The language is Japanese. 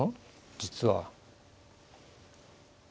実は。